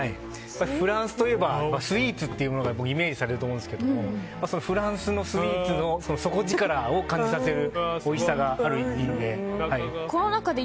フランスといえばスイーツというものがイメージされると思いますけどフランスのスイーツの底力を感じさせるおいしさがある一品で。